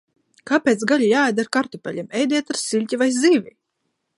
Kāpēc gaļa jāēd ar kartupeļiem? Ēdiet ar siļķi vai zivi!